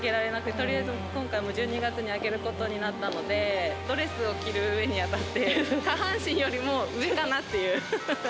とりあえず今回、１２月に挙げることになったので、ドレスを着るにあたって、下半身よりも上かなっていう。